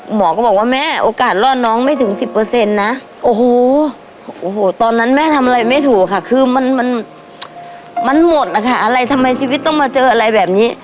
หมอก็บอกว่าแม่โอกาสรอดน้องไม่ถึง๑๐นะโอ้โหตอนนั้นแม่ทำอะไรไม่ถูกค่ะคือมันมันหมดนะคะอะไรทำไมชีวิตต้องมาเจออะไรแบบนี้